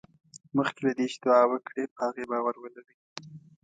مخکې له دې چې دعا وکړې په هغې باور ولرئ.